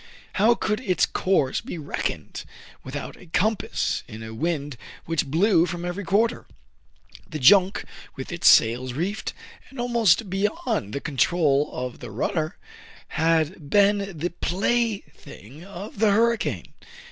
How could its course be reckoned without a compass in a wind which blew from every quarter ? The junk, with its sails reefed, and almost beyond the control of the rudder, had been the plaything of the hurricane.